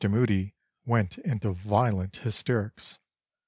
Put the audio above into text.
Mudie went into violent hysterics.